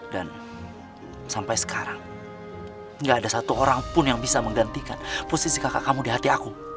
dan sampai sekarang gak ada satu orang pun yang bisa menggantikan posisi kakak kamu di hati aku